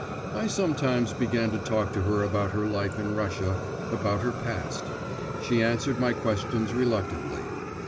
I sometimes began to talk to her about her life in Russia, about her past; she answered my questions reluctantly.